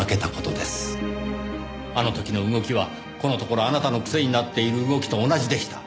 あの時の動きはこのところあなたの癖になっている動きと同じでした。